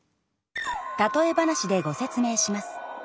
例え話でご説明します。